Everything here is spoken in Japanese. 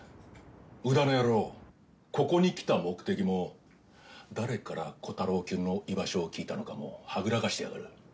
宇田の野郎ここに来た目的も誰からコタローきゅんの居場所を聞いたのかもはぐらかしてやがる。